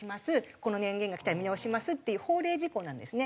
この年限がきたら見直しますっていう法令事項なんですね。